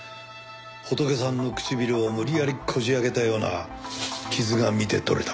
ホトケさんの唇を無理やりこじ開けたような傷が見て取れた。